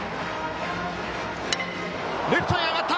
レフトへ上がった！